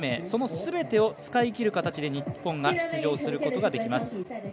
そのすべてを使い切る形で日本が出場することができます。